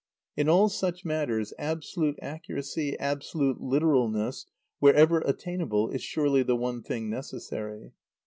In all such matters, absolute accuracy, absolute literalness, wherever attainable, is surely the one thing necessary.